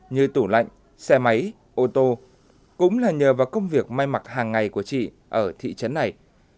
như tủ lạnh xe máy ô tô cũng là nhờ vào công việc may mặc hàng ngày của chị ở thị trấn này